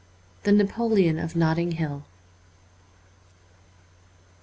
' The Napoleon of Notting Hill.'